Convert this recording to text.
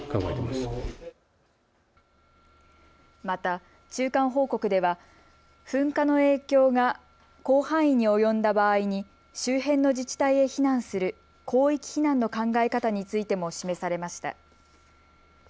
また中間報告では噴火の影響が広範囲に及んだ場合に周辺の自治体へ避難する広域避難の考え方についても示されました。